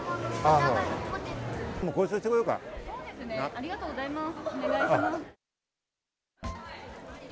ありがとうございます。